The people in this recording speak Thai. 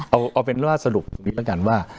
เอาเป็นว่าสรุปตรงนี้แล้วกันว่า